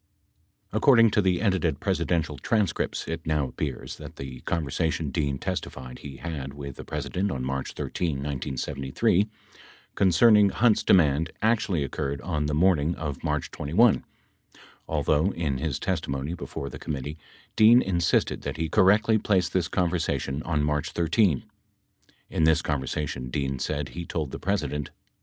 According to the edited presidential transcripts, it now appears that the conversation Dean testified he had with the President on March 13, 1973, concerning Hunt's demand actually oc curred on the morning of March 21, although in his testimony before the committee Dean insisted that he correctly placed this conversa tion on March 13. 18 In this conversation, Dean said, he told the President